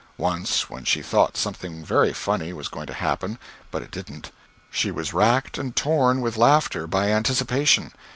Once when she thought something very funny was going to happen (but it didn't), she was racked and torn with laughter, by anticipation.